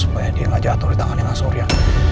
supaya dia gak jatuh di tangannya mas surya